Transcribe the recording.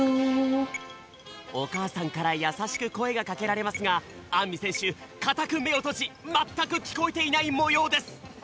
おかあさんからやさしくこえがかけられますがあんみせんしゅかたくめをとじまったくきこえていないもようです！